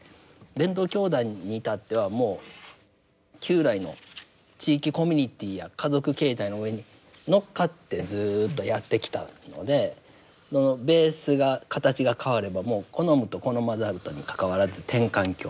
伝統教団に至ってはもう旧来の地域コミュニティーや家族形態の上に乗っかってずっとやってきたのでベースが形が変わればもう好むと好まざるとにかかわらず転換期を迎えるという。